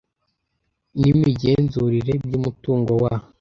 n imigenzurire by umutungo wa